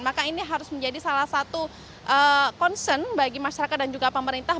maka ini harus menjadi salah satu concern bagi masyarakat dan juga pemerintah